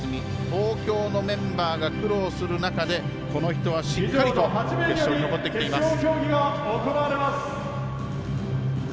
東京のメンバーが苦労する中でこの人はしっかりと決勝に残ってきています。